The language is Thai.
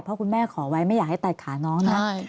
เพราะคุณแม่ขอไว้ไม่อยากให้ตัดขาน้องนะ